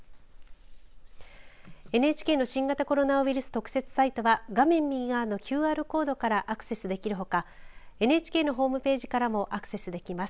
特設サイトは画面右側のＱＲコードからアクセスできるほかＮＨＫのホームページからもアクセスできます。